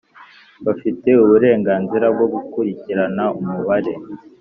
Bafite uburenganzira bwo gukurikirana umubare